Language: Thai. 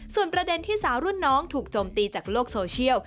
ส่วนประเด็นที่สาวรุ่นน้องถูกโจมตีจากโลกโซเชียล